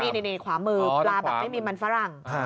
นี่ขวามือปลาแบบไม่มีมันฝรั่ง